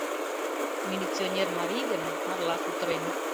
— Милиционер марий гын, марла кутырен...